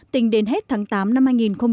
tỉnh đến hết tháng tám năm hai nghìn một mươi bảy